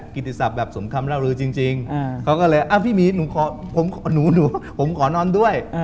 กิจศัพท์สมคำราวรือจริงเขาก็เลยพี่หมีผมขอนอนด้วย